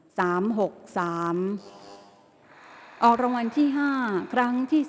เอารางวัลที่๕ครั้งที่๓